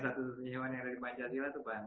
satu hewan yang ada di pancasila itu banteng